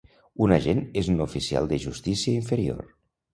Un agent és un oficial de justícia inferior.